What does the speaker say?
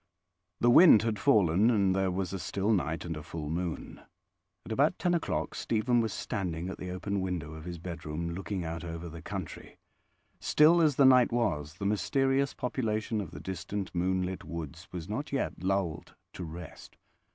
The wind had fallen, and there was a still night and a full moon. At about ten o'clock Stephen was standing at the open window of his bedroom, looking out over the country. Still as the night was, the mysterious population of the distant moon lit woods was not yet lulled to rest.